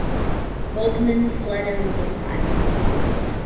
Goldman fled in the meantime.